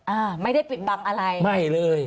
อ่าไม่ได้ปิดบังอะไรไม่เลย